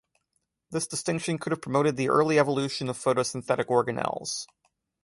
This distinction could have promoted the early evolution of photosynthetic organelles.